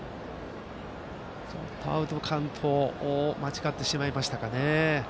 アウトカウントを間違えてしまいましたかね。